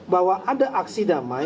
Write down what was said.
bahwa ada aksi damai